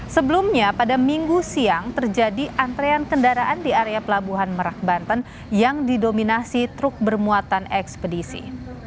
sebelumnya pada minggu siang terjadi antrean kendaraan di area pelabuhan merak banten yang didominasi truk bermuatan ekspedisi